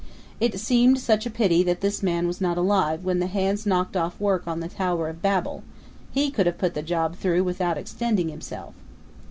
It seemed such a pity that this man was not alive when the hands knocked off work on the Tower of Babel; he could have put the job through without extending himself.